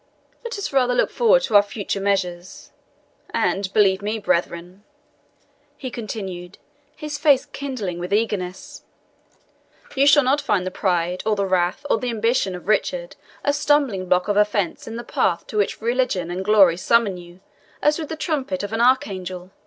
Let us rather look forward to our future measures; and believe me, brethren," he continued, his face kindling with eagerness, "you shall not find the pride, or the wrath, or the ambition of Richard a stumbling block of offence in the path to which religion and glory summon you as with the trumpet of an archangel.